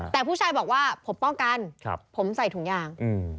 แต่ผู้ชายบอกว่าผมป้องกันผมใส่ถุงยาง